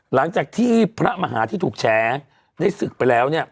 หลังจากที่พระมหาที่ถูกแชร์ได้ศึกไปแล้วเนี่ย